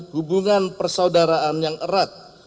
hubungan persaudaraan yang erat